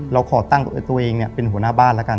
เราขอตั้งตัวเองเป็นหัวหน้าบ้านแล้วกัน